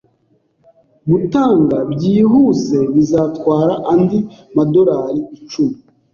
Gutanga byihuse bizatwara andi madolari icumi